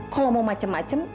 kalau mua macam macem